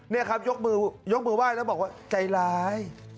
นี่ครับยกมือยกมือไหว้แล้วบอกว่าใจร้าย